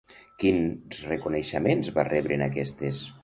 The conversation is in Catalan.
Quins reconeixements va rebre en aquestes?